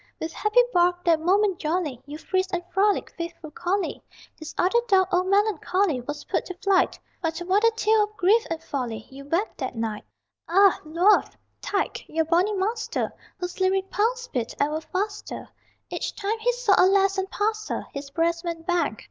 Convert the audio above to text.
With happy bark, that moment jolly, You frisked and frolicked, faithful collie; His other dog, old melancholy, Was put to flight But what a tale of grief and folly You wagged that night! Ah, Luath, tyke, your bonny master Whose lyric pulse beat ever faster Each time he saw a lass and passed her His breast went bang!